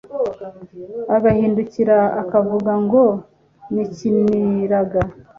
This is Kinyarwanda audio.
agahindukira akavuga ngo «Nikiniraga»